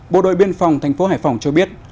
bộ đội biên phòng tp hải phòng cho biết